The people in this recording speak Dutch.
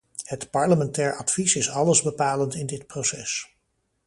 Het parlementair advies is allesbepalend in dit proces.